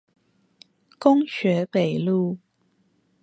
工學北路